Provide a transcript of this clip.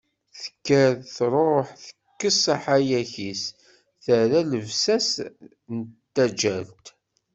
Tekker, tṛuḥ, tekkes aḥayek-is, terra llebsa-s n taǧǧalt.